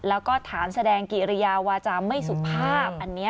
แล้วก็ถามแสดงกิริยาวาจาไม่สุภาพอันนี้